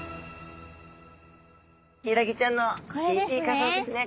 ヒイラギちゃんのＣＴ画像ですね。